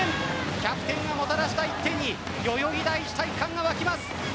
キャプテンがもたらした１点に代々木第一体育館が沸きます。